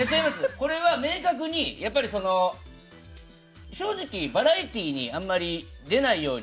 これは明確に正直バラエティーにあまり出ないように。